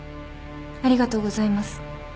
ありがとうございます。